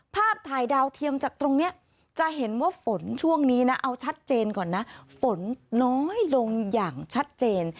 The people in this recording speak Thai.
ภาพถ่ายดาวเทียมจากตรงนี้จะเห็นว่าฝนช่วงนี้นะเอาชัดเจนก่อนนะฝนน้อยลงอย่างชัดเจน